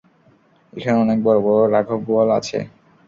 এখানে অনেক বড় বড় রাঘববোয়াল আছে।